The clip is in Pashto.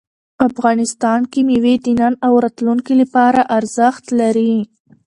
افغانستان کې مېوې د نن او راتلونکي لپاره ارزښت لري.